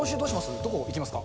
どこ行きますか？